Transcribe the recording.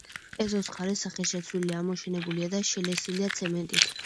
ეზოს მხარე სახეშეცვლილია, ამოშენებულია და შელესილია ცემენტით.